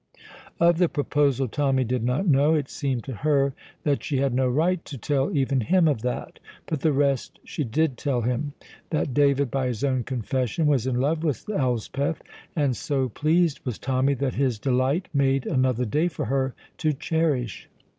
Of the proposal Tommy did not know; it seemed to her that she had no right to tell even him of that; but the rest she did tell him: that David, by his own confession, was in love with Elspeth; and so pleased was Tommy that his delight made another day for her to cherish.